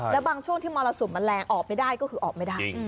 แล้วบางช่วงที่มรสุมมันแรงออกไม่ได้ก็คือออกไม่ได้